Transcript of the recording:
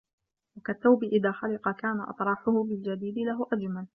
وَكَالثَّوْبِ إذَا خَلِقَ كَانَ اطِّرَاحُهُ بِالْجَدِيدِ لَهُ أَجْمَلَ